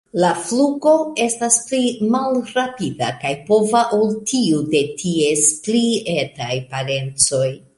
La flugo estas pli malrapida kaj pova ol tiu de ties pli etaj parencoj.